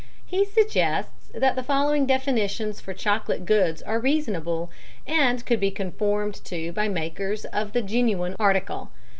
] He suggests that the following definitions for chocolate goods are reasonable, and could be conformed to by makers of the genuine article.